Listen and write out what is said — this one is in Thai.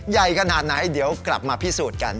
ใหญ่ขนาดไหนเดี๋ยวกลับมาพิสูจน์กัน